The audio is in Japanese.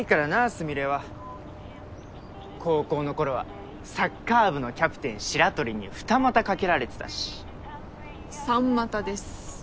スミレは高校の頃はサッカー部のキャプテン白鳥に二股かけられてたし三股です